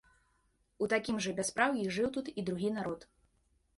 У такім жа бяспраўі жыў тут і другі народ.